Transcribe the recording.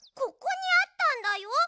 ここにあったんだよ。